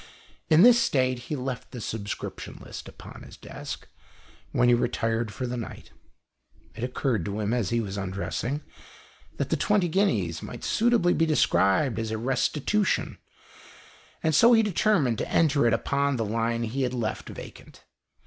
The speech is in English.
In this state he left the subscription list upon his desk, when he retired for the night. It occurred to him as he was undressing, that the twenty guineas might suitably be described as a " restitution," and so he determined to enter it upon the line he had left vacant.